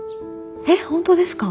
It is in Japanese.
えっ本当ですか！？